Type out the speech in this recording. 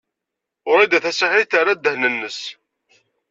Wrida Tasaḥlit terra ddehn-nnes.